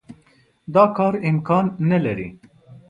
دا کار امکان نه لري.